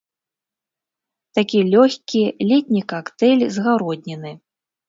Такі лёгкі, летні кактэйль з гародніны.